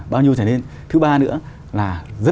bao nhiêu trở nên thứ ba nữa là